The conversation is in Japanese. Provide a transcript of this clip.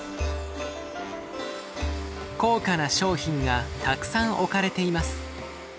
高価な商品がたくさん置かれています。